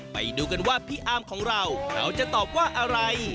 ไปดูกันว่าพี่อาร์มของเราเราจะตอบว่าอะไร